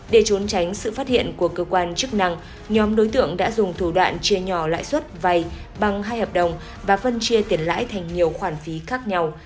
để trốn tránh sự phát hiện của cơ quan chức năng nhóm đối tượng đã dùng thủ đoạn chia nhỏ lãi suất vay bằng hai hợp đồng và phân chia tiền lãi thành nhiều khoản phí khác nhau